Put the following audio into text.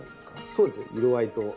そうですね色合いと。